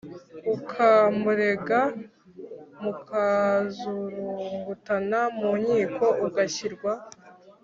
ukamurega, mukazurungutana mu nkiko, ugashirwa